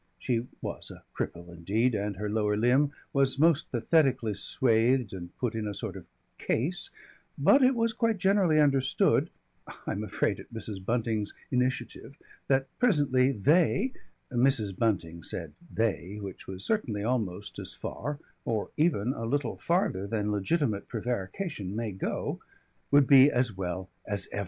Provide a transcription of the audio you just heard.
She was a cripple, indeed, and her lower limb was most pathetically swathed and put in a sort of case, but it was quite generally understood I am afraid at Mrs. Bunting's initiative that presently they Mrs. Bunting said "they," which was certainly almost as far or even a little farther than legitimate prevarication may go would be as well as ever.